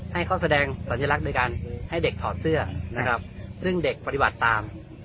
ให้เขาแสดงสัญลักษณ์โดยการให้เด็กถอดเสื้อนะครับซึ่งเด็กปฏิบัติตาม